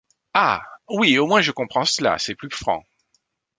Ah ! oui, au moins je comprends cela, c’est plus franc.